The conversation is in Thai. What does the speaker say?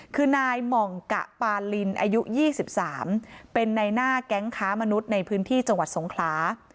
คือนายหม่องกะปาลินอายุ๒๓เป็นในหน้าแก๊งค้ามนุษย์ในพื้นที่จังหวัดสงขลา